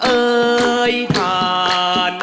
เอ่ยขาด